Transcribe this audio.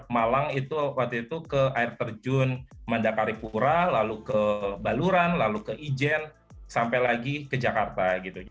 malang itu waktu itu ke air terjun mandakaripura lalu ke baluran lalu ke ijen sampai lagi ke jakarta